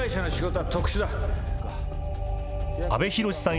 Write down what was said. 阿部寛さん